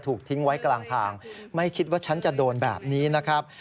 ถูกทิ้งไว้กลางทางไม่คิดว่าฉันจะโดนแบบนี้นะครับ